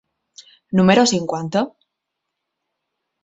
número cinquanta?